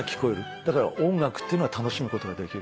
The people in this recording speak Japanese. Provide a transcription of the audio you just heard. だから音楽っていうのは楽しむことができる。